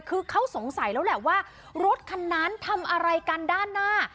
คือเขาสงสัยแล้วแหละว่ารถคันนั้นทำอะไรกันด้านหน้า